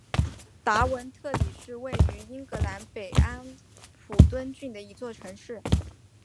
达文特里是位于英格兰北安普敦郡的一座城市。